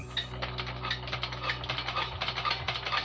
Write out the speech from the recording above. kondisi keluarga memaksa aril untuk berpikir lebih dewasa